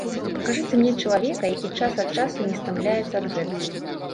Пакажыце мне чалавека, які час ад часу не стамляецца ад гэтага?